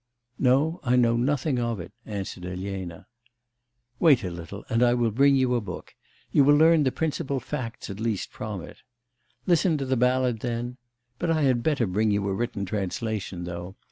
'No, I know nothing of it,' answered Elena. 'Wait a little and I will bring you a book. You will learn the principal facts at least from it. Listen to the ballad then.... But I had better bring you a written translation, though.